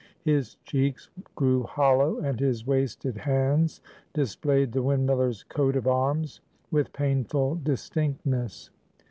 His cheeks grew hollow, and his wasted hands displayed the windmiller's coat of arms with painful distinctness.